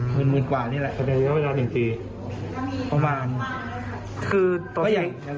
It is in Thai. หมื่นกว่านี่แหละครับคืออย่างสมมติ